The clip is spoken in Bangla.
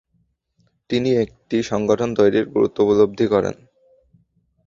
তিনি একটি সংগঠন তৈরির গুরুত্ব উপলব্ধি করেন।